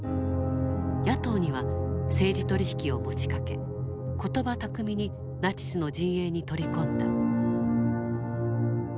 野党には政治取り引きを持ち掛け言葉巧みにナチスの陣営に取り込んだ。